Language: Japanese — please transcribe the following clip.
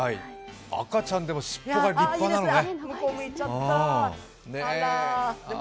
赤ちゃんでも尻尾が立派なのね。